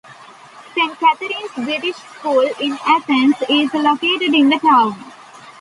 St.Catherine's British School in Athens is located in the town.